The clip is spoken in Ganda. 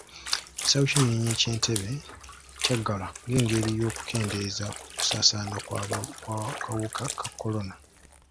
Ekisaawe ky'ennyonyi eky' Entebbe kyaggalwa ngengeri y'okukendeeza ku kusaasaana kw'akawuka ka kolona.